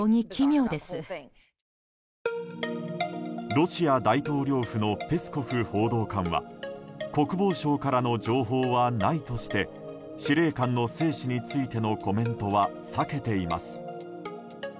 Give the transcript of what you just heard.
ロシア大統領府のペスコフ報道官は国防省からの情報はないとして司令官の生死についてのコメントは避けています。